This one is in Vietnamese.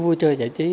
vui chơi giải trí